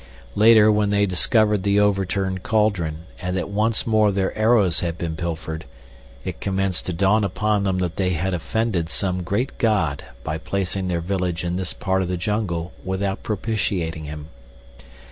Later, when they discovered the overturned cauldron, and that once more their arrows had been pilfered, it commenced to dawn upon them that they had offended some great god by placing their village in this part of the jungle without propitiating him.